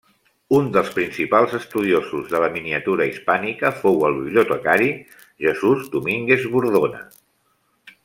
Un dels principals estudiosos de la miniatura hispànica fou el bibliotecari Jesús Domínguez Bordona.